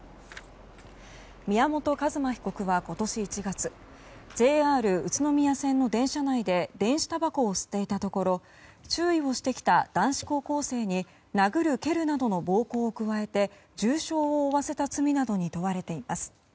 宮本一馬被告は今年１月ＪＲ宇都宮線の電車内で電子たばこを吸っていたところ注意をしてきた男子高校生に殴る蹴るなどの暴行を加えて重傷を負わせた罪などに問われています。